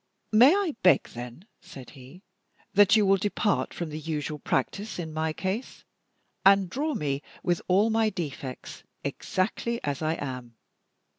"May I beg, then," said he, "that you will depart from the usual practice in my case, and draw me with all my defects, exactly as I am?